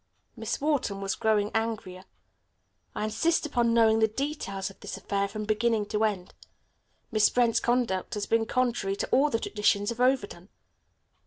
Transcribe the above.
Miss Wharton was growing angrier. "I insist upon knowing the details of this affair from beginning to end. Miss Brent's conduct has been contrary to all the traditions of Overton."